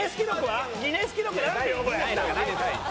はい。